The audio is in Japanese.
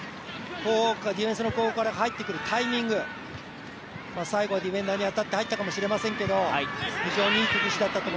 ディフェンスの後方から入ってくるタイミング、最後はディフェンダーに当たって入ったかもしれませんけど。